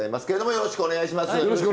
よろしくお願いします。